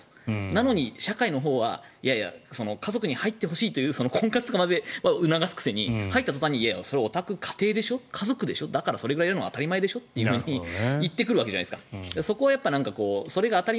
なのに、社会のほうはいやいや、家族に入ってほしいという婚活前は促す時に入ったとたんに家庭でしょ家族でしょだからそれくらいやるのは当たり前でしょと言ってくるわけじゃないですか。